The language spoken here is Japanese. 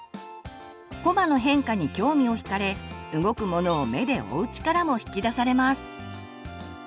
こまの変化に興味を引かれ動くものを目で追う力も引き出されます。